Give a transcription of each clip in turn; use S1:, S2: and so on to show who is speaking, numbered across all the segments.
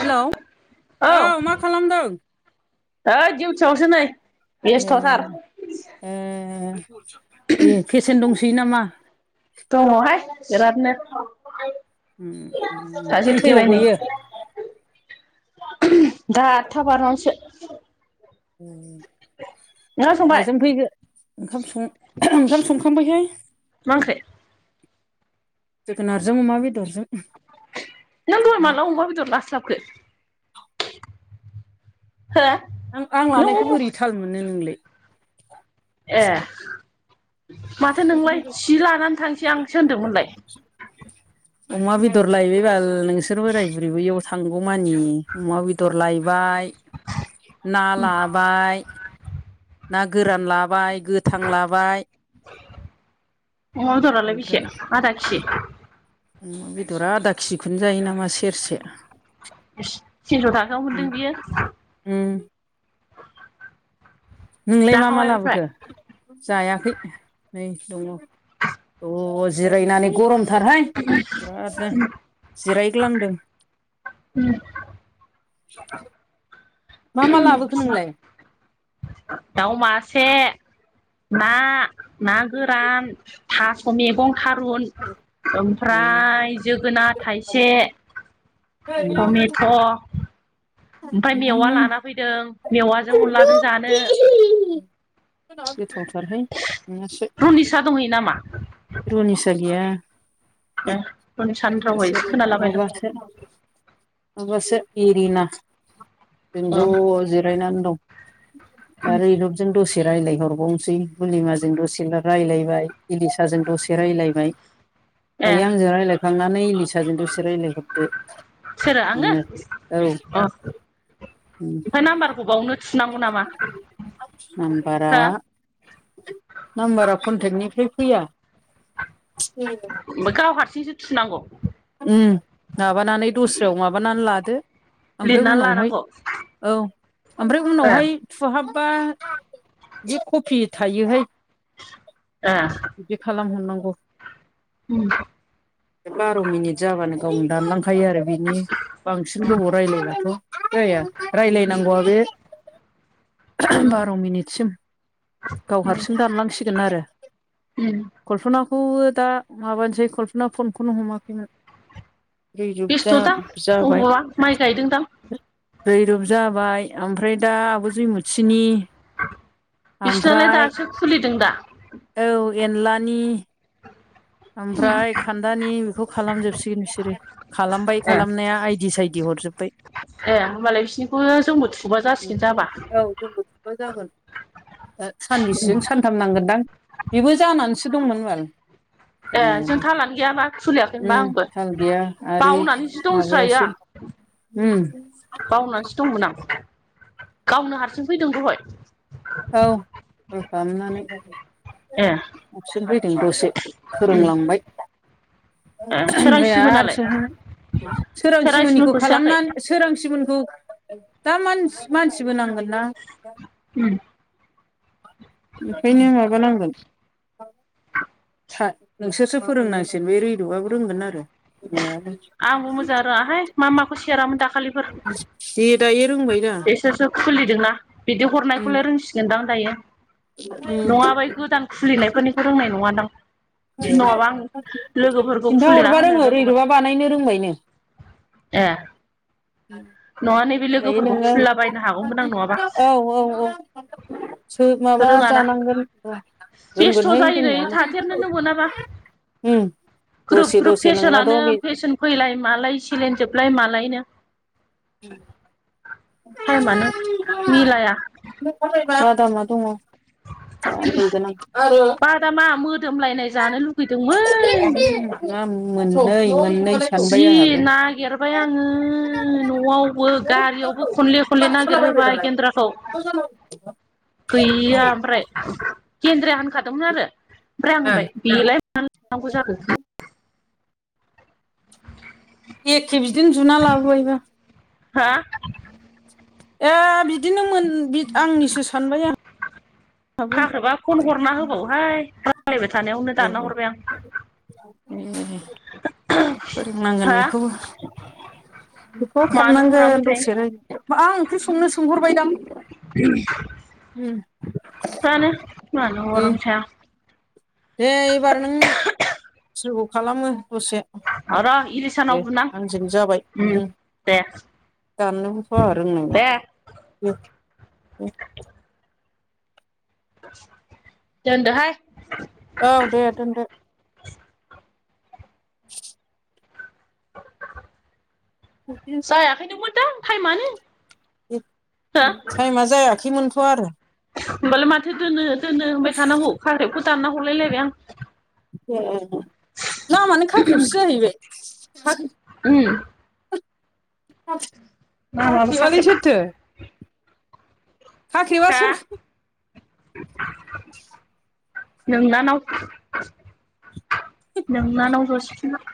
S1: Hello औ मा खालामदों
S2: ओइ दिडिउटियावसो नै
S1: ए
S2: बेस्थ'थार
S1: ए दे पेसेन दंसैयो नामा?
S2: दङहाय बिरादनो
S1: उम उम
S2: सासे
S1: खैथायाव
S2: थैबाय नै
S1: गयो?
S2: दा आथा बारनासो।
S1: उम
S2: नोंहा संबाय
S1: माजों फैगोन ओंखाम ओंखाम संखांबायहाय।
S2: मा ओंख्रि?
S1: जोगोनारजों अमा बेदरजों।
S2: नों दहाय माला अमा बेदर लास्लाबखो? हेल
S1: नों आं लानायखौ बोरै थाल मोननो नोंलाय
S2: ए माथो नोंलाय जि लानासो थांसै आं होनदोंमोनलाय
S1: अमा बेदर लायबाय बाल नोंसोर बोराय बुरैबोयाव थांगौमानि अमा बेदर लायबाय ना लाबाय ना गोरान लाबाय गोथां लाबाय
S2: अमा बेदर रालाय बेसे
S1: ओमफ्राय
S2: आदा केिजि?
S1: अमा बेदरा आदा केजिखौनो जायो नामासि सेरसे
S2: थिनस' थाखायाव मोनदों बियो
S1: नोंलाय मा मा
S2: जाखाबाय ओमफ्राय
S1: लाबोगोन? जायाखै नै दङ जिरायनानै गरमथारहाय बिरादनो जिरायग्लांदों।
S2: उम
S1: मा मा लाबोखो नोंलाय?
S2: दाउ मासे, ना, ना गोरान थास' मैगं थारुन ओमफ्राय जोगोनार थाइसे थमेथ' ओमफ्राय मेवा लाना फैदों मेवाजों अनलाजों जानो।
S1: गोथावथारहाय नोंहासो
S2: फिसा दंहयो नामा?
S1: रुनिसा गैया
S2: ए न'नि सानै रावबो एसे खोनालाबाय दों आं
S1: थोथ माबासो एरिना जों
S2: औ
S1: ज' जिरायनानै दं आरो इरबजों दसे दसे रायजलायहरबावनोसै बुलिमाजों दसे रायजलायबाय, इलिसाजों दसे रायलायबाय
S2: ए
S1: दायो आंजों रायज्लायखांनानै इलिसाजों दसे रायज्लायहरदो
S2: सोरो
S1: औ
S2: आङो अ ओमफ्राय नाम्बारखौ बावनो थुनांगौ नामा
S1: नाम्बारा
S2: हो [unintelligible]
S1: नाम्बारा कनटेक्टनिफ्राय फैया
S2: ओमफ्राय गाव हारसिंसो थुनांगौ
S1: उम माबानानै दस्रायाव माबानानै लादो ओमफ्राय
S2: लिरनानै
S1: उनावहाय
S2: लानांगौ
S1: औ ओमफ्राय
S2: ए
S1: उनावहाय थुहाबबा जि कफि थायोहाय
S2: ए
S1: बिदि खालामहरनांगौ
S2: उम
S1: [unintelligible] [unintelligible] रायलायनांगौवा
S2: उम
S1: बे
S2: उम
S1: [unintelligible] कल्पनाखौबो दा माबानोसै कल्पना फनखौनो हमाखैमोन रिजुग जा
S2: बेस्थ'दां
S1: जाबाय
S2: अबावबा माइ गायदोंदां
S1: रैरुप जाबाय आमफ्राय दा आब' जैमुथिनि ओमफ्राय
S2: [unintelligible]
S1: औ एनलानि ओमफ्राय खान्दानि बेखौ खालामजोबसिगोन बिसोरो। खालामबाय
S2: ए
S1: खालामनाया आइदि साइदि हरजोब्बाय।
S2: ए होमबालाय बिसनिखौनो जोंबो थुबा जासिगोन जाबा।
S1: मा जागोन दा सानबेसेजों सानथाम नांगोनदां बेबो जानानैसो दंमोन बाल।
S2: ए जों
S1: दंनायालाय
S2: थालानो गैयाबा खुलियाखै होनबा
S1: ओम
S2: आंबो
S1: हाल गैया आरो
S2: बावनानैसो दंस्रायो आं
S1: माबायासो उम
S2: बावनानैसो दंमोन आं गावनो हारसिं फैदों दहाय
S1: औ कल खालामनानै
S2: ए
S1: अपसन फैदों दसे
S2: उम
S1: फोरोंलांबाय
S2: ए
S1: ओमफ्राय आरो
S2: सोरांस्रिमोनालाय
S1: सोह सोरांसिमोननिखौ
S2: सोरांस्रिमोनखौ सोआखै
S1: खालामनानै सोरांसिमोनखौ दा मानसि मानसिबो नांगोन ना
S2: उम
S1: बेखायनो माबा नांगोन था नोंसोरसो फोरोंनांसिगोन बे रैरुबाबो रोंगोन आरो रोंनायाबो
S2: [unintelligible]
S1: दे दायो रोंबायना
S2: [unintelligible] [unintelligible]
S1: ए
S2: आं लोगोफोरखौ खुलिना
S1: खिन्थाहरबा
S2: होनो
S1: रोङो
S2: रोंगौमोन
S1: रैरुबा बानायनो रोंबायनो
S2: ए नङा नैबे
S1: दायो
S2: लोगोफोरखौ
S1: नोङो
S2: खुलिलाबायनो हागौमोन आं नङाबा
S1: औ औ औ सो माबा
S2: रोङाना
S1: जानांगोन रो-
S2: बेस्थ'
S1: रोंगोनहाय
S2: जायो नै
S1: रोंनायानो
S2: थाथेरनोनो मोनाबा
S1: उ
S2: ग्रोब
S1: दसे
S2: ग्रोब
S1: दसे नोंनाथ'
S2: फेसनानो
S1: बे
S2: फेसन फैलाय मालाय सिलेन जोबलाय मालायनो
S1: उ
S2: टाइमानो मिलाया
S1: बादामा दङ। दा हैगोन आं आरो
S2: बादामा मोदोमलायनाय जानो लुगैदोंमोन
S1: नाम मोननै मोननै
S2: जि
S1: सानबाय आंहाबो
S2: नागिरबाय आङो। न'वावबो गारियावबो खनले खनले नागिर होबाय गेन्द्राखौ। गैया आमफ्राय गेन्द्राया होनखादोंमोन आरो ओमफ्राय आं होनबाय बेलाय मानो लानांगौ जाखो।
S1: एखे बिदिनो जुना लाबोबायबा।
S2: हा
S1: ए बिदिनो मोन आंनिसो सानबाय आं
S2: खाख्रेबा फन हरना होबावोहाय रायलायबाय थानायावनो
S1: ए
S2: दानना
S1: ए
S2: हरबाय आं
S1: फोरोंनांगोन
S2: हा
S1: बेखौबो ह'
S2: मानो
S1: खालामनांगोन
S2: हरामोनथाय
S1: दसेनो मा ओंख्रि संनो सोंहरबायदां
S2: [inaudible]
S1: उम
S2: जानो मानो
S1: दे
S2: रंसा
S1: दे एबार नों सोरग' खालामो दसे
S2: आं र'
S1: दे
S2: इलिसानाव बुनां
S1: आंजों जाबाय उम।
S2: दे
S1: [unintelligible]
S2: दोनदो हाय
S1: औ दे दोनदो। [inaudible]
S2: [unintelligible] हो
S1: उम टाइमा जायाखैमोनथ' आरो
S2: होमबालाय माथो दोनो दोनो होनबाय थानांगौ खारदैखौ दानना हरलायलायबाय आं
S1: ए लामानो खाख्रेबसो जाहैबाय
S2: उम मामाबो खाख्रेब
S1: बिवायालाय सोरथो खाख्रिबा
S2: हा
S1: सोर?
S2: नोंनानाव नोंनानाव ज'सिफिना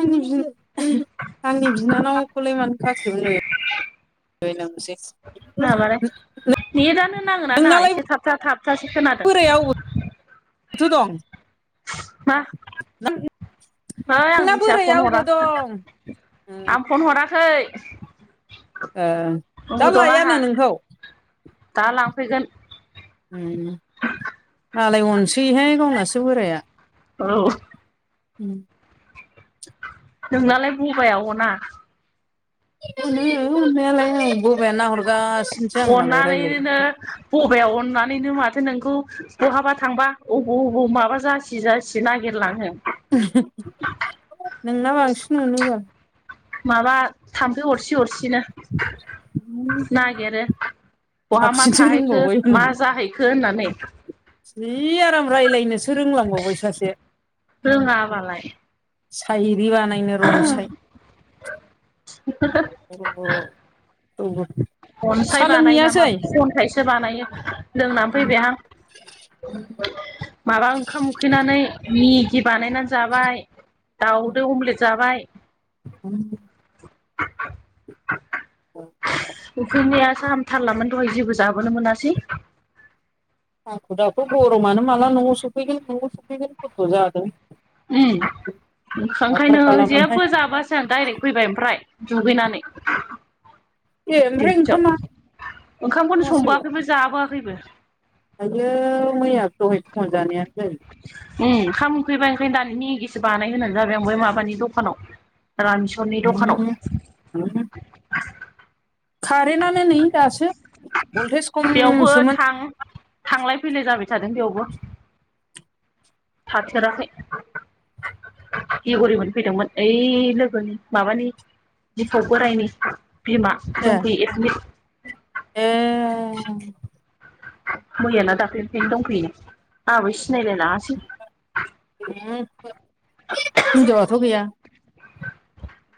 S1: आंनि बि आंनि बिनानावखौलाय मानो खाख्रेबहोनो लय लांसै
S2: माबालाय नेटनो नाङोना नाङा
S1: नोंनालाय
S2: एसे थाबथा थाबथासो खोनादों
S1: गोथ' दं
S2: मा? ओइ आं
S1: नोंना
S2: मिथिया
S1: बोराइ
S2: फन
S1: अबाव
S2: हराखै
S1: दं?
S2: आं फन हराखै
S1: ओ दा
S2: उमुदक आंहा
S1: लायानो नोंखौ?
S2: दा लांफैगोन
S1: उम मालाय अनसैहाय गावनासो बोराया।
S2: औ
S1: उम
S2: नोंनालाय बबाइायावना?
S1: अनो अनायालाय आ बबायानो नाहरगासिनोसो आं मालाय रायज्लायनायखौ
S2: बबयाव अननानैनो माथो नोंखौ बहाबा थांबा अबे अबाव माबा जा जासि जासि नागिरलाङो।
S1: नोंना बांसिन मोननोबाल
S2: माबा थाम्फै अरसि अरसिनो नागिरो बहा मा
S1: साबसिनसो
S2: थाहैखो
S1: रोंबावबाय
S2: मा जाहैखो होननानै।
S1: जिनि आराम रायज्लायनोसो रोंलांबावबाय सासे
S2: रोङाबालाय
S1: साहिरि बानायनो रनसाय अ औबो
S2: अनसाय बानायो नामा
S1: सोलोंहैयासै
S2: खन्थाइसो बानायो लोंनानै फैबाय आं।
S1: उम
S2: माबा ओंखाम उखैनानै मेगि बानायनानै जाबाय दाउदो अमलेट जाबाय।
S1: उम
S2: [inaudible]
S1: औ औ
S2: उखैनाया साहामथारलामोन दहाय जेबो जाबोनो मोनासै।
S1: हाखु दाखु गरमानो माला न'आव सफैगोन न'आव सफैगोन खथ'' जादों।
S2: उम ओंखायनो
S1: हाथारखालामोनहाय
S2: जेबबो जाबोआसां डाइरेक फैबाय ओमफ्राय दुगैनानै
S1: ए ओमफ्राय ओंखामा
S2: दिउथियाव ओंखामखौनो संबोआखैबो जाबोआखैबो।
S1: आयै मैया दहाय फुंआव जानायानो जायो
S2: उम ओंखाम उखैबाय ओंखायनो दानि मेगिसो बानाय होननै जाबाय आं बै माबानि दखानाव रानसु
S1: हम हम कारेन्टनो नै दासो भल्टेज
S2: बेयावबो
S1: खमसोमोन।
S2: थां थांलाय फैलाय जाबाय थादों बेयावबो थाथेराखै गि हरि मोन फैदोंमोन ओइ लोगोनि माबानि दिफाव बोरायनि बिमा
S1: ए
S2: दंफैयो एडमिड
S1: ए
S2: मैया दाखालिनिफ्रायनो दंफैनो आंहाबो सिनायलायलांआसै
S1: उम हिनजावथ' गैया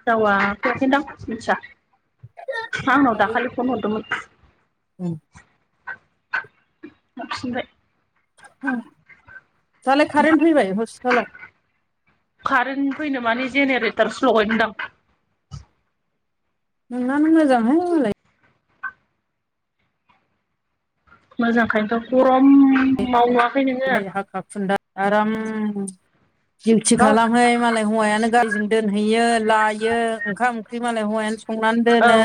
S2: जावा फैयाखैदां मिथिया आंनाव दाखालि फन हरदोंमोन।
S1: उम
S2: थाफिनबाय
S1: दालाय कारेन्ट फैबाय हस्पिटालाव
S2: कारेन्ट फैनो माने जेनेरेटर स्लगायदों दां
S1: नोंनानो मोजांहाय मानलाय
S2: मोजांखायनोथ' गरम मावनुवाखै नोङो
S1: [unintelligible] खुडा आराम दिउटि
S2: गाव
S1: खालामहै मालाय हौवायानो गारिजों दोनहैयो लायो ओंखाम ओंख्रि मालाय हौवायानो संनानै
S2: औ
S1: दोनो।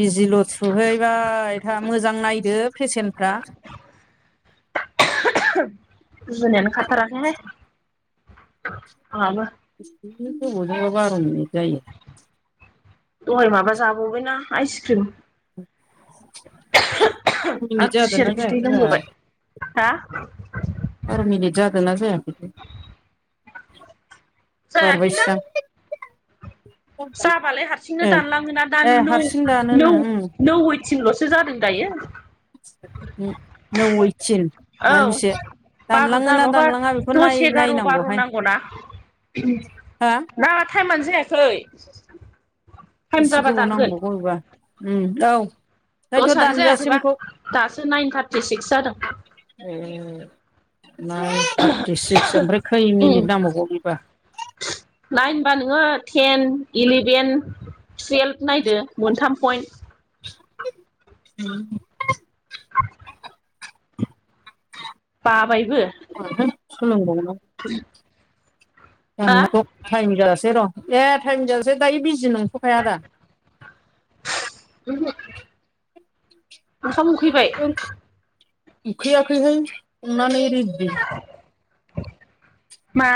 S1: बिजिल' थुहैबाय था मोजां नायदो पेसेन्फ्रा
S2: गुजुनायानो खााथाराखैहाय आंहाबो
S1: [unintelligible]
S2: दहाय माबा जाबावबायना आइसक्रिम
S1: बार' मिनिट
S2: आरो खुसियर
S1: जादोंना
S2: बिदै
S1: जायाखै
S2: लोंबोबाय। हा
S1: [unintelligible]
S2: जायाखैनोदां
S1: [inaudible]
S2: [unintelligible]
S1: ए ए हारसिं दानोनो
S2: थिनल'सो जादों दायो औ
S1: [unintelligible] ना दानलाङा बेखौ नाय नायनांगौहाय हा
S2: [unintelligible] ना टाइमानो जायाखै टाइम जाबा दानगोन दसआनो
S1: [unintelligible]
S2: जायाखैबा दासो नाइन थार्टि सिक्स जादों
S1: [unintelligible] [unintelligible]
S2: नाइनबा नोङो टेन इलेभेन [unintelligible]
S1: [inaudible]
S2: [inaudible] बाबायबो
S1: रोंआहाय सोलोंबावनांगौसो
S2: हा
S1: जागोना जा [unintelligible]
S2: उमहु ओंखाम उखैबाय
S1: उखैयाखै हाय संनानै रिदि
S2: मा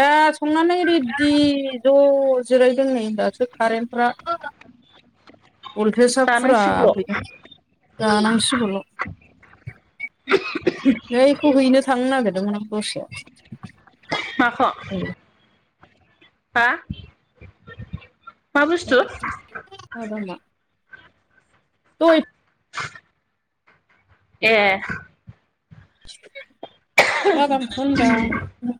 S1: ए संनानै रेदि ज' जिरायदों नै दासो कारेन्टफ्रा बलटेजआ फुरा
S2: जानांसिगौल'
S1: फैदों जानांसिगौल' नैखौ हैनो थांनो नागिरदोंमोन आं दस्रायाव
S2: माख'? हा मा बुस्थु?
S1: माबा मा थुइट
S2: ए
S1: मा दाखनख' होनदां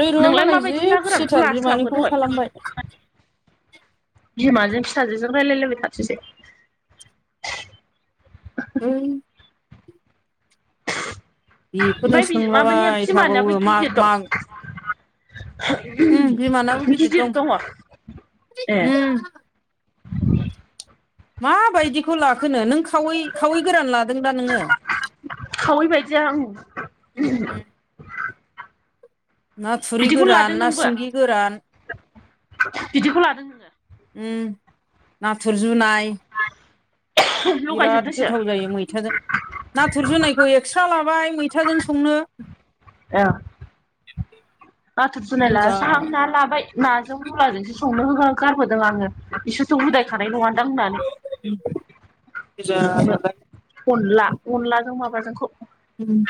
S1: रैरुआ
S2: नोंलाय
S1: मालाय जि
S2: माबायदि ना गोरानखौ
S1: खुसिथार
S2: लास्लाबखो
S1: बिमानिखौबो
S2: दहाय
S1: खालामबाय
S2: [unintelligible]
S1: उम बेखौनो
S2: ओमफ्राय बि माबानिया
S1: सोंलाबाय थाबावो मा मा
S2: ह'
S1: उम बिमानाबो
S2: उम गिदिर
S1: दं
S2: दङ ए
S1: उम माबायदिखौ लाखोनो नों खावै खावै गोरान लादों दा नोङो?
S2: खावैबायदि आं उम
S1: ना थुरि
S2: बिदिखौनो
S1: गोरान
S2: लादों
S1: ना
S2: नोंबो
S1: सिंगि गोरान
S2: बिदिखौ लादों नोङो
S1: उम नाथुर जुनाय बिराद
S2: लगायजोबदोसो
S1: गोथाव जायो मैथाजों नाथुर जुनायखौ एक्सट्रा लाबाय मैथाजों संनो।
S2: आ' नाथुर फुनायला
S1: गोजा
S2: साउना लाबाय नाजों मुलाजोंसो संनो हो गारबोदों आङो बिसोरथ' उदायखानाय नङा दां होननानै।
S1: उम
S2: संनो अनला अनलाजों माबाजोंखौ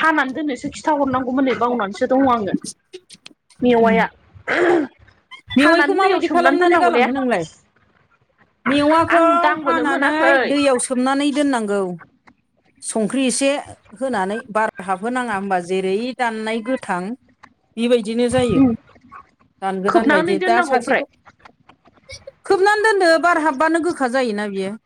S2: हानानै दोननोसो खिथाहरनांगौमोन नै बावनानैसो दङ आङो मेवाया
S1: मेवायखौ
S2: हानानै दैयाव
S1: माबायदि
S2: सोमनानै
S1: खालामनानै
S2: दोननांगौले
S1: गालांखो नोंलाय
S2: आं
S1: मेवाखौ
S2: दांबोनो
S1: हानानै
S2: मोनाखै
S1: दैयाव सोमनानै दोननांगौ संख्रि एसे होनानै बार हाबहोनाङा होमबा जेरै दाननाय गोथां बिबायदिनो जायो दान गोदान बायदि
S2: खोबनानै
S1: दा
S2: दोननांगौ ओमफ्राय
S1: सासेखौ खोबनानै दोनदो बार हाबबानो गोखा जायोना बियो